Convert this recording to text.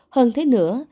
hơn thế nữa